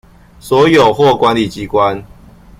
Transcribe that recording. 所有或管理機關